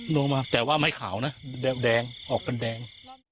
ลงมาแต่ว่าไม่ขาวนะแดงออกเป็นแดง